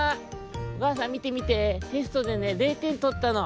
おかあさんみてみてテストでね０てんとったの！